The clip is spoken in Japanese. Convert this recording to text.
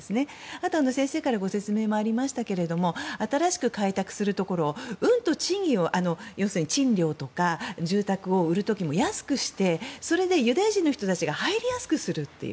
あと、先生からご説明もありましたけども新しく開拓するところ賃料とか住宅を売る時も安くしてユダヤ人の人たちが入りやすくするという。